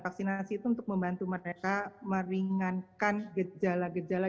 vaksinasi itu untuk membantu mereka meringankan gejala gejala